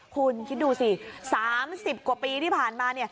คุณคิดดูสิ๓๐กว่าปีที่ผ่านมา